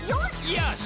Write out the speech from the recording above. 「よし！」